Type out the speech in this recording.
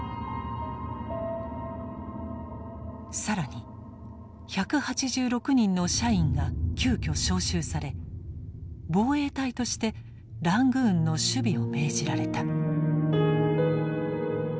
更に１８６人の社員が急きょ召集され防衛隊としてラングーンの守備を命じられた。